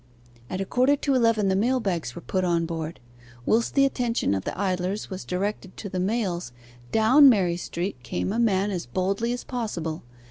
At a quarter to eleven the mail bags were put on board. Whilst the attention of the idlers was directed to the mails, down Mary Street came a man as boldly as possible.